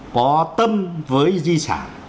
có tâm với di sản